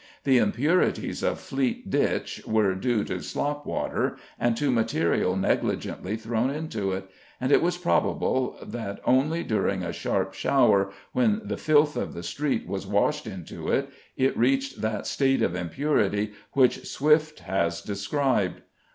The impurities of Fleet Ditch were due to slop water, and to material negligently thrown into it, and it was probable that only during a sharp shower, when the filth of the streets was washed into it, it reached that state of impurity which Swift has described.